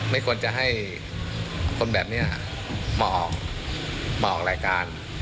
ไม่ควรจะให้คนแบบนี้มาออกรายการ